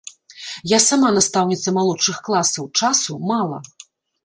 Я сама настаўніца малодшых класаў, часу мала.